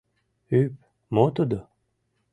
Ӱп — мо тудо?